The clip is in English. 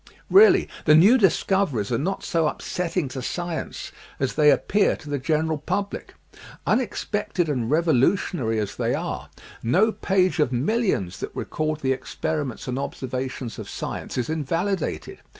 Really, the new discoveries are not so upsetting to science as they appear to the general public. Unex pected and revolutionary as they are, no page of mil lions that record the experiments and observations of science is invalidated.